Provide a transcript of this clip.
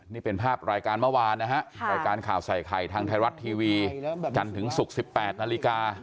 นี่เป็นภาพรายการเมื่อวานนะฮะรายการข่าวใส่ไข่ทางไทยรัฐทีวีจันทร์ถึงศุกร์๑๘นาฬิกา